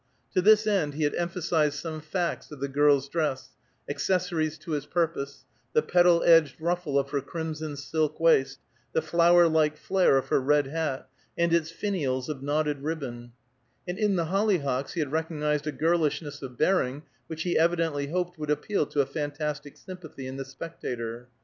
To this end he had emphasized some facts of the girl's dress, accessories to his purpose, the petal edged ruffle of her crimson silk waist, the flower like flare of her red hat, and its finials of knotted ribbon; and in the hollyhocks he had recognized a girlishness of bearing, which he evidently hoped would appeal to a fantastic sympathy in the spectator.